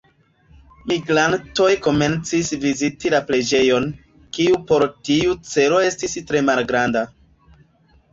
Migrantoj komencis viziti la preĝejon, kiu por tiu celo estis tre malgranda.